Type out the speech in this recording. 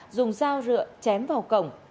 dùng dao rượu chém vào cổng